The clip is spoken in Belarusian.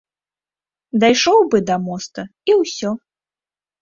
Дайшоў бы да моста, і ўсё.